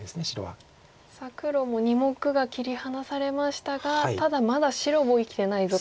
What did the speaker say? さあ黒も２目が切り離されましたがただまだ白も生きてないぞと。